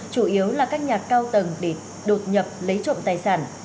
chủ yếu là các nhà cao tầng để đột nhập lấy trộm tài sản